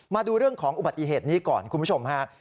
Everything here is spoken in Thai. มาดูของอุบัติเหตุก่อนคุณผู้ชมค่ะ